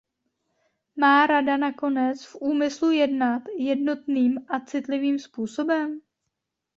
Má Rada nakonec v úmyslu jednat jednotným a citlivým způsobem?